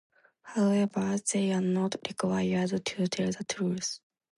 However, they are not required to tell the truth.